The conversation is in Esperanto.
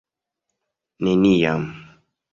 neniam